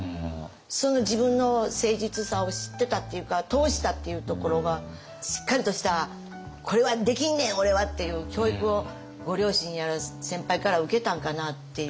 その自分の誠実さを知ってたっていうか通したっていうところがしっかりとした「これはできんねん俺は！」っていう教育をご両親やら先輩から受けたんかなっていう。